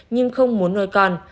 nhưng không muốn nuôi con